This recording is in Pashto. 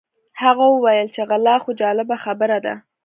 هغه وویل چې غلا خو جالبه خبره ده.